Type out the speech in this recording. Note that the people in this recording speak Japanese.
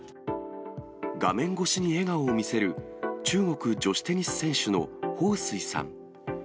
画面越しに笑顔を見せる、中国女子テニス選手の彭帥さん。